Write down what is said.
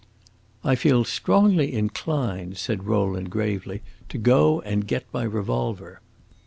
"I feel strongly inclined," said Rowland gravely, "to go and get my revolver."